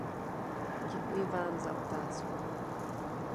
Děkuji vám za otázku.